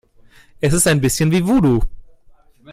Es ist ein bisschen wie Voodoo.